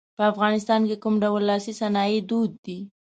په افغانستان کې کوم ډول لاسي صنایع دود دي.